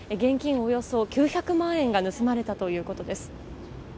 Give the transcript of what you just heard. およそ９００万円が盗まれたということです。